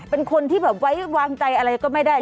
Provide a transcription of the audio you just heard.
เป็นคนที่แบบไว้วางใจอะไรก็ไม่ได้